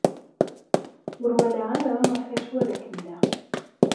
Ur walaɣ ara ɣef wacu ara kemmleɣ.